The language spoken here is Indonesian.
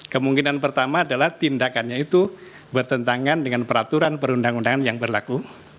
kemungkinan pertama adalah tindakannya itu bertentangan dengan peraturan perundang undangan yang berlaku